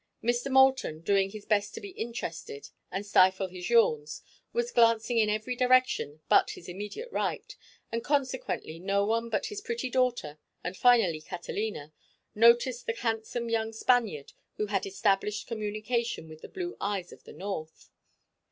Mr. Moulton, doing his best to be interested and stifle his yawns, was glancing in every direction but his immediate right, and consequently no one but his pretty daughter, and finally Catalina, noticed the handsome young Spaniard who had established communication with the blue eyes of the north.